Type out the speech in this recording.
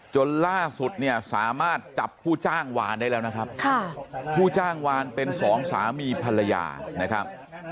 จนล่าสุดเนี่ยสามารถจับผู้จ้างวานได้แล้วนะครับผู้จ้างวานเป็นสองสามีภรรยานะครับ